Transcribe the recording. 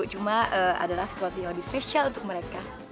cuma adalah sesuatu yang lebih spesial untuk mereka